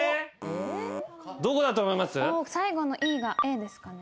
最後の「ｅ」が「ａ」ですかね？